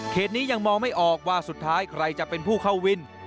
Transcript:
นี้ยังมองไม่ออกว่าสุดท้ายใครจะเป็นผู้เข้าวิน